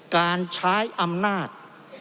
การใช้อำนาจ